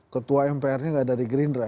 ketua mpr nya gak dari gerindra